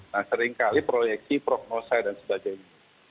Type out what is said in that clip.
nah seringkali proyeksi prognosa dan sebagainya